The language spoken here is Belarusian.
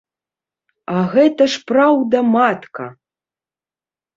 А гэта ж праўда-матка!